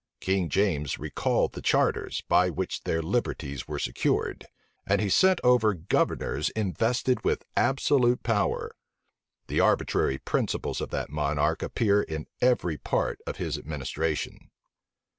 King James recalled the charters, by which their liberties were secured; and he sent over governors invested with absolute power. The arbitrary principles of that monarch appear in every part of his administration.